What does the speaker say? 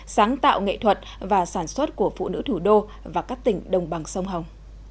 sáng tạo nghệ thuật và sản xuất của phụ nữ thủ đô và các tỉnh đồng bằng sông hồng